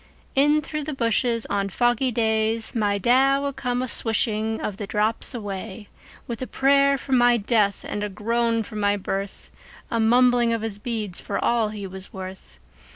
In through the bushes, on foggy days, My Da would come a swishing of the drops away, With a prayer for my death and a groan for my birth, A mumbling of his beads for all he was worth.